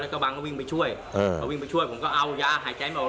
แล้วก็บังก็วิ่งไปช่วยพอวิ่งไปช่วยผมก็เอายาหายใจไม่ออก